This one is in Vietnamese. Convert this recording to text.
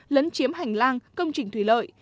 lấn chiếm hành lang công trình thủy lợi